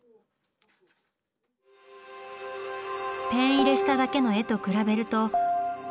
ペン入れしただけの絵と比べると。